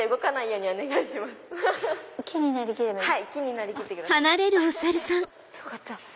よかった！